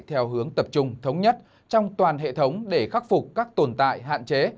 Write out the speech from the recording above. theo hướng tập trung thống nhất trong toàn hệ thống để khắc phục các tồn tại hạn chế